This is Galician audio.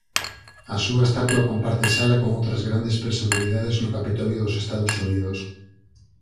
A súa estatua comparte sala con outras grandes personalidades no Capitolio dos Estados Unidos.